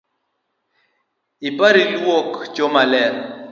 Ipar iluok cho maler.